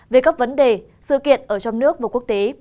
về các vấn đề sự kiện ở trong nước và quốc tế